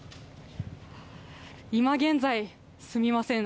今現在、すみません。